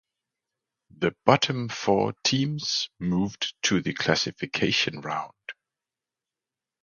The bottom four teams moved to the classification round.